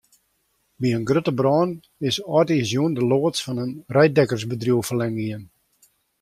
By in grutte brân is âldjiersjûn de loads fan in reidtekkersbedriuw ferlern gien.